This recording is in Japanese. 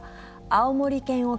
青森県沖